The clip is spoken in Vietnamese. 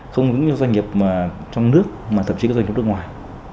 không những doanh nghiệp trong nước mà thậm chí các doanh nghiệp nước ngoài